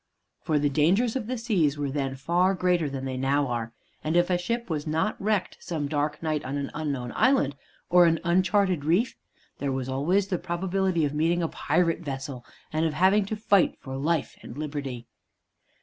For the dangers of the seas were then far greater than they now are, and if a ship was not wrecked some dark night on an unknown island or uncharted reef, there was always the probability of meeting a pirate vessel and of having to fight for life and liberty.